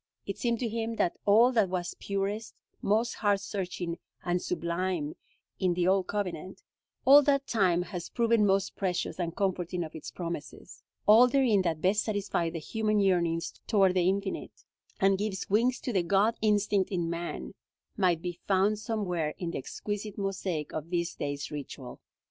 It seemed to him that all that was purest, most heart searching and sublime in the Old Covenant; all that time has proven most precious and comforting of its promises; all therein that best satisfies the human yearnings toward the Infinite, and gives wings to the God instinct in man, might be found somewhere in the exquisite mosaic of this day's ritual.